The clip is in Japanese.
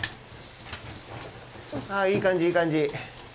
あいい感じいい感じ。